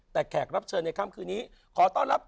แต่แขกรับเชิญในค่ำคืนนี้ขอต้อนรับ